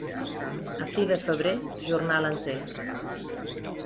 A fi de febrer, jornal enter.